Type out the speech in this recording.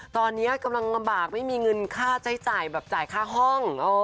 ตอนนี้กำลังลำบากไม่มีเงินค่าใช้จ่ายแบบจ่ายค่าห้อง